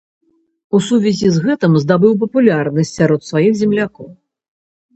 У сувязі з гэтым здабыў папулярнасць сярод сваіх землякоў.